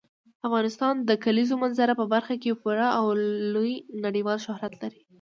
افغانستان د کلیزو منظره په برخه کې پوره او لوی نړیوال شهرت لري.